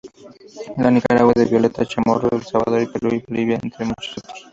La Nicaragua de Violeta Chamorro; El Salvador, Perú y Bolivia, entre muchos otros.